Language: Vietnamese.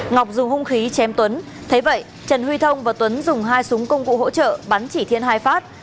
ngọc dùng hung khí chém tuấn thấy vậy trần huy thông và tuấn dùng hai súng công cụ hỗ trợ bắn chỉ thiên hai phát